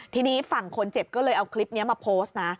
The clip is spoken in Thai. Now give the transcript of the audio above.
ทีนี้ฝั่งคนเจ็บก็เลยเอาคลิปนี้มาโพสต์นะ